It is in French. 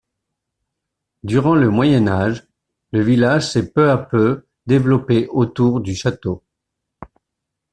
Durant le Moyen Âge, le village s'est peu à peu développé autour du château.